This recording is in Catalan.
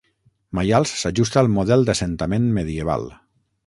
Maials s'ajusta al model d'assentament medieval.